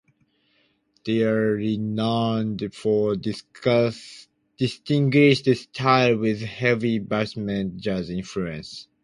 They are renowned for a distinguished style with heavy basement jazz influences.